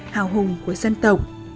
hào hùng của dân tộc